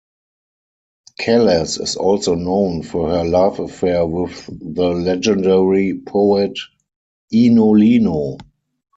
Kallas is also known for her love affair with the legendary poet Eino Leino.